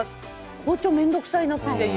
包丁、面倒くさいなという。